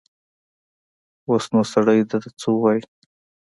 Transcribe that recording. اوس نو سړی ده ته څه ووايي.